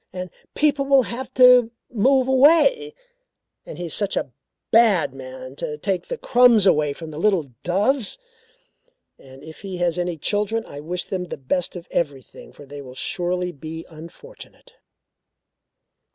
And people will have to move away. And he is such a bad man to take the crumbs away from little doves. And if he has any children, I wish them the best of everything for they surely will be unfortunate."